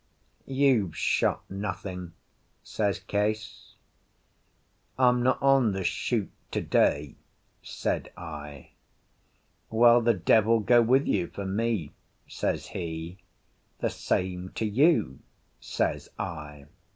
"You've shot nothing," says Case. "I'm not on the shoot to day," said I. "Well, the devil go with you for me," says he. "The same to you," says I.